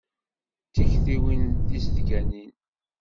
D tiktiwin tizedganin.